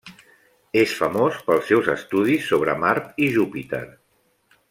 És famós pels seus estudis sobre Mart i Júpiter.